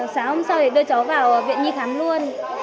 sáng hôm sau thì đưa cháu vào viện nhi khám luôn